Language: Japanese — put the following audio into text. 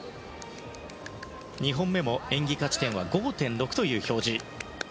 ２本目も演技価値点は５．６という表示。